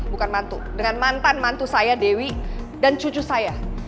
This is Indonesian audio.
bukan mantu dengan mantan mantu saya dewi dan cucu saya